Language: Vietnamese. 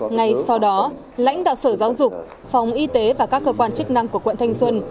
ngay sau đó lãnh đạo sở giáo dục phòng y tế và các cơ quan chức năng của quận thanh xuân